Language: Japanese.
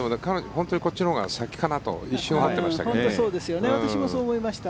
本当にこっちのほうが先かなと私もそう思ってました。